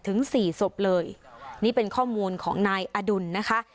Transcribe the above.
ถึงสี่ศพเลยนี่เป็นข้อมูลของนายอดุลนะคะ